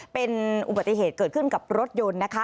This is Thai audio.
เป็นอุบัติเหตุเกิดขึ้นกับรถยนต์นะคะ